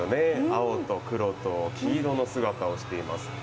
青と黒と黄色の姿をしています。